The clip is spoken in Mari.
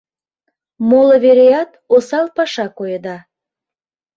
Моло-вереат осал паша коеда.